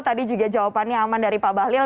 tadi juga jawabannya aman dari pak bahlil